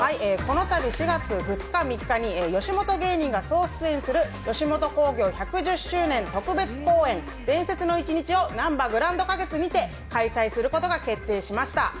このたび４月２日、３日に、吉本芸人が総出演する吉本興業１１０周年特別講演、「伝説の一日」をなんばグランド花月にて開催することが決定しました。